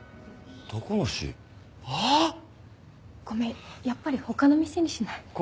ごめんやっぱり他の店にしない？